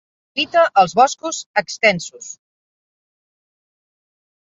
Evita els boscos extensos.